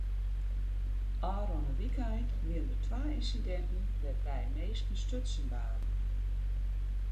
Ofrûne wykein wiene der twa ynsidinten wêrby't minsken stutsen waarden.